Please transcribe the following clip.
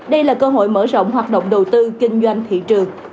đây là cơ hội mở rộng hoạt động đầu tư kinh doanh thị trường